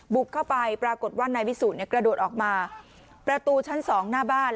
บุกเข้าไปปรากฏว่านายวิสุกระโดดออกมาประตูชั้นสองหน้าบ้าน